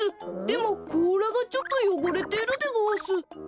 でもこうらがちょっとよごれてるでごわす。